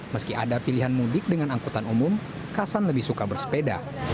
meski ada pilihan mudik dengan angkutan umum kasan lebih suka bersepeda